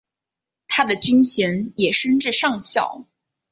他的军衔也升至上校。